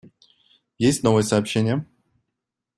Есть новые сообщения?